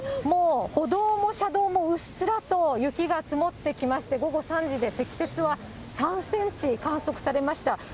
もう、歩道も車道もうっすらと雪が積もってきまして、午後３時で積雪は３センチ観測されました。